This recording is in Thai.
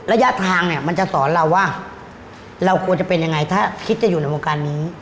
ระยะทางเนี่ยมันจะสอนเราว่าเราควรจะเป็นยังไงถ้าคิดจะอยู่ในวงการนี้